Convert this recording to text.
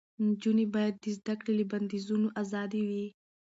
نجونې باید د زده کړې له بندیزونو آزادې وي.